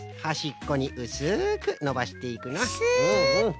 はしっこにうすくのばしていくのう。